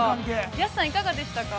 安さん、いかがでしたか。